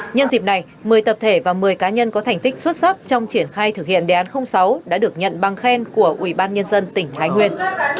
nhân dịp này một mươi tập thể và một mươi cá nhân có thành tích xuất sắc trong triển khai thực hiện đề án sáu đã được nhận bằng khen của ubnd tỉnh hải nguyên